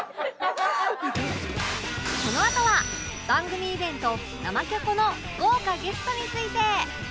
このあとは番組イベント「生キョコ」の豪華ゲストについて